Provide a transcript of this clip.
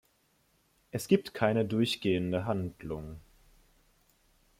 Es gibt keine durchgehende Handlung.